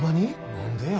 何でや。